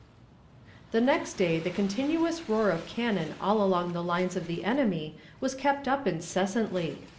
The next day the continuous roar of cannon all along the lines of the enemy was kept up incessantly.